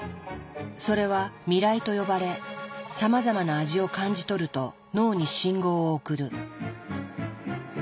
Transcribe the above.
それは味らいと呼ばれさまざまな味を感じ取ると脳に信号を送る。